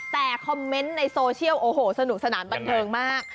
แต่คอมเมนต์ในโซเชียลโอ้โหสนุกสนานบันเทิงมาก